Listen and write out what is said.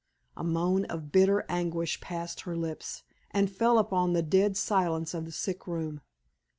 A moan of bitter anguish passed her lips, and fell upon the dead silence of the sick room.